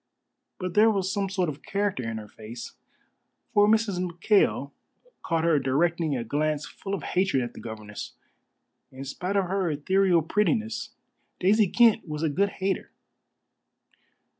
But there was some sort of character in her face, for Mrs. McKail caught her directing a glance full of hatred at the governess. In spite of her ethereal prettiness, Daisy Kent was a good hater.